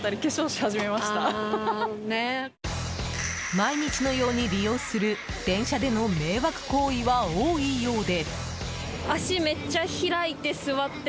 毎日のように利用する電車での迷惑行為は多いようで。